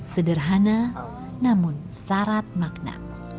sederhana namun syarat makna